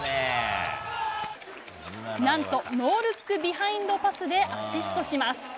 何とノールックビハインドパスでアシストします。